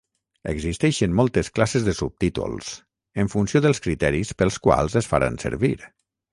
Existeixen moltes classes de subtítols, en funció dels criteris pels quals es faran servir.